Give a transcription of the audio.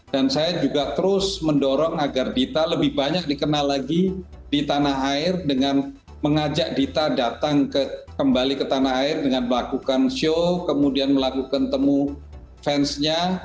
dan saya juga terus mendorong agar dita lebih banyak dikenal lagi di tanah air dengan mengajak dita datang kembali ke tanah air dengan melakukan show kemudian melakukan temu fansnya